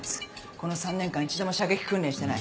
この３年間一度も射撃訓練してない。